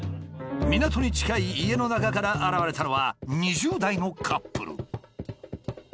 港に近い家の中から現れたのは２０代のカップル。